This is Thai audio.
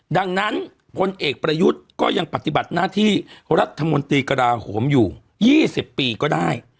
ดังนั้นพลเอกประยุทธ์ก็ยังปฏิบัติหน้าที่รัฐมนตรีกระลาโหมอยู่๒๐ปีก็ได้